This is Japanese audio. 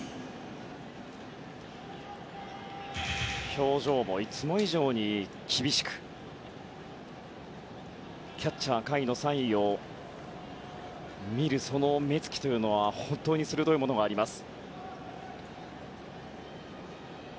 表情もいつも以上に厳しくキャッチャー甲斐のサインを見るその目つきというのは本当に鋭いものがあります。